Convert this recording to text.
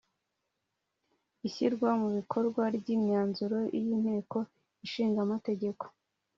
Ishyirwa mu bikorwa ryimyanzuro yinteko Ishinga Amategeko